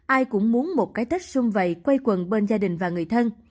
ai cũng muốn một cái tết xung vầy quay quần bên gia đình và người thân